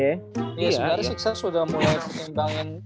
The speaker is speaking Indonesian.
sebenarnya success udah mulai menimbangin